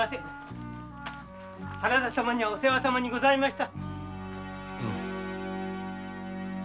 原田様にはお世話様にございました。